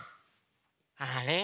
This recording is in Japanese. あれ？